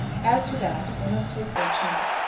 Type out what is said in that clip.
As to that they must take their chance.